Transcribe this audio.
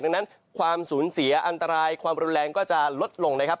ดังนั้นความสูญเสียอันตรายความรุนแรงก็จะลดลงนะครับ